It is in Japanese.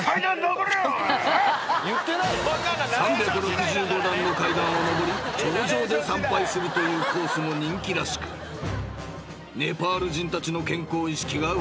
［３６５段の階段を上り頂上で参拝するというコースも人気らしくネパール人たちの健康意識がうかがえる］